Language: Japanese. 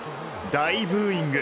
大ブーイング。